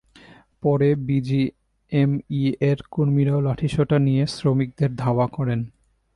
পরে বিজিএমইএর কর্মীরাও লাঠিসোঁটা নিয়ে শ্রমিকদের ধাওয়া করেন।